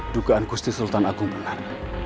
dugaan gusti sultan agung benar